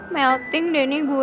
melting deh nih gue